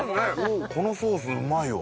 うんこのソースうまいわ。